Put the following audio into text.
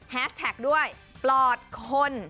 แท็กด้วยปลอดคน